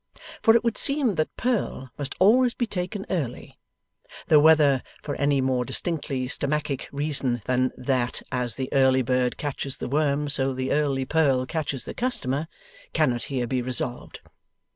For, it would seem that Purl must always be taken early; though whether for any more distinctly stomachic reason than that, as the early bird catches the worm, so the early purl catches the customer, cannot here be resolved.